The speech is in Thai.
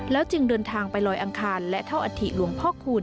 จึงเดินทางไปลอยอังคารและเท่าอัฐิหลวงพ่อคูณ